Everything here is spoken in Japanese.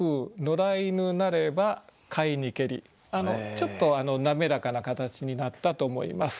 ちょっと滑らかな形になったと思います。